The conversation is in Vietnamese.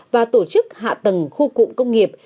và tổ chức hạ tầng khu cụm công nghiệp